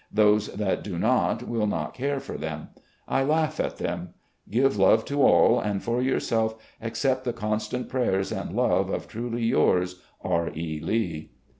Those that do not will not care for them, I laugh at them. Give love to all, and for yourself accept the constant prayers and love of truly yours, "R. E. Lee."